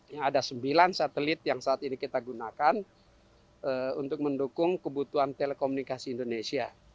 yang ada sembilan satelit yang saat ini kita gunakan untuk mendukung kebutuhan telekomunikasi indonesia